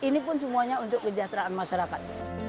ini pun semuanya untuk kejahteraan masyarakat